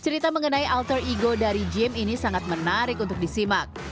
cerita mengenai alter ego dari gym ini sangat menarik untuk disimak